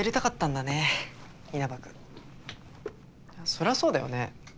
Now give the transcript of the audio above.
そりゃそうだよね。